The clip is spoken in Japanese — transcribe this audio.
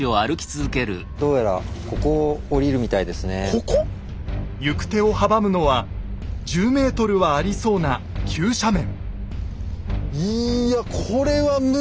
ここ⁉行く手を阻むのは１０ｍはありそうな急斜面